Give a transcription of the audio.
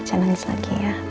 jangan lagi ya